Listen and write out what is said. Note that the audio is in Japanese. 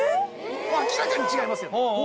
もう明らかに違いますよね。